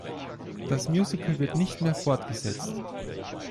Das Musical wird nicht mehr fortgesetzt.